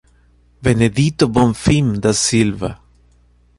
Benedito Bonfim da Silva